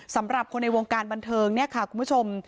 สำหรับคนในวงการบันเทิงคุณผู้ชม